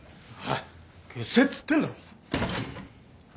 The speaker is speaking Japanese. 消せっつってんだろ。